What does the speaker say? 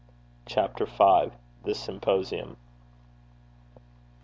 CHAPTER V. THE SYMPOSIUM.